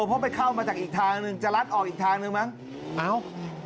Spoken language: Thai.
เพราะไปเข้ามาจากอีกทางหนึ่งจะลัดออกอีกทางนึงมั้งเอ้า